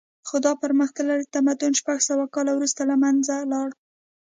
خو دا پرمختللی تمدن شپږ سوه کاله وروسته له منځه لاړ